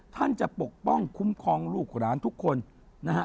ท่านจะปกป้องคุ้มครองลูกหลานทุกคนนะฮะ